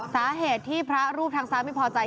สาเหตุที่พระรูปทางซ้ายไม่พอใจ